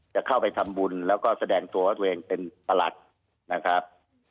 จะเข้าไปทำบุญแล้วก็แสดงตัวว่าตัวเองเป็นประหลัดนะครับ